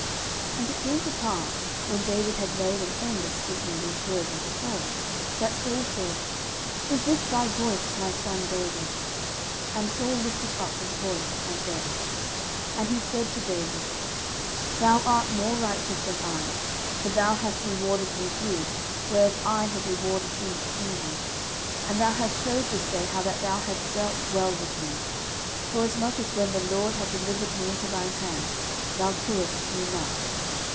09:024:016 And it came to pass, when David had made an end of speaking these words unto Saul, that Saul said, Is this thy voice, my son David? And Saul lifted up his voice, and wept. 09:024:017 And he said to David, Thou art more righteous than I: for thou hast rewarded me good, whereas I have rewarded thee evil. 09:024:018 And thou hast shewed this day how that thou hast dealt well with me: forasmuch as when the LORD had delivered me into thine hand, thou killedst me not.